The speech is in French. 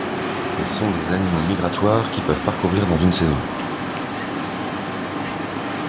Ils sont des animaux migratoires qui peuvent parcourir dans une saison.